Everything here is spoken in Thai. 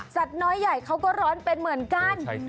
น้อยใหญ่เขาก็ร้อนเป็นเหมือนกัน